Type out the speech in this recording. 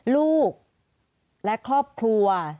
ลูกและครอบครัว